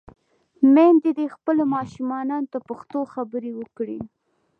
میندې دې خپلو ماشومانو ته پښتو خبرې وکړي.